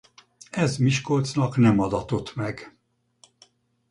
Ez Miskolcnak nem adatott meg.